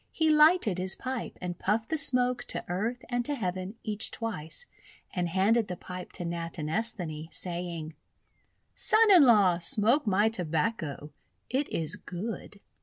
He lighted his pipe and puffed the smoke to Earth and to Heaven each twice, and handed the pipe to Natinesthani, saying: —:< Son in law, smoke my Tobacco. It is good."